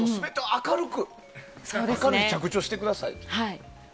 明るく着地をしてください。